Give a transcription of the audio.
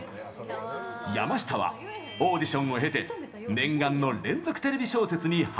山下はオーディションを経て念願の連続テレビ小説に初出演！